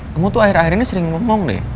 kamu tuh akhir akhir ini sering ngomong nih